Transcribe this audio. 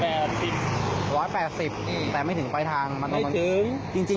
แปดสิบร้อยแปดสิบแต่ไม่ถึงไฟทางไม่ถึงจริงจริง